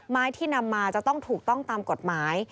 ที่นำมาจะต้องถูกต้องตามกฎหมาย